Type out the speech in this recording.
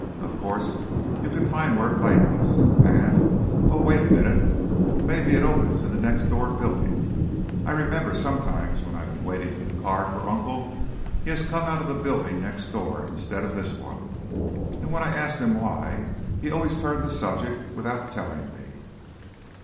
Of course, you can find where it lands, and oh, wait a minute! Maybe it opens in the next door building. I remember, sometimes when I've been waiting in the car for Uncle, he has come out of the building next door instead of this one, and when I asked him why, he always turned the subject without telling me."